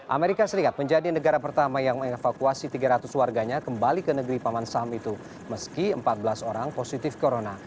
amerika serikat menjadi negara pertama yang mengevakuasi tiga ratus warganya kembali ke negeri paman sam itu meski empat belas orang positif corona